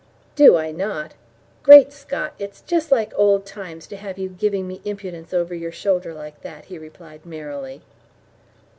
"Do I not? Great Scot, it's just like old times to have you giving me impudence over your shoulder like that!" he replied merrily.